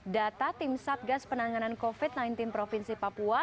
data tim satgas penanganan covid sembilan belas provinsi papua